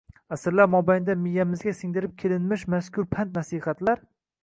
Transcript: Asrlar mobaynida miyamizga singdirib kelinmish mazkur pand-nasihatlar...